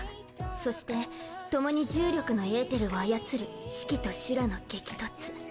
そしてともに重力のエーテルを操るシキとシュラの激突。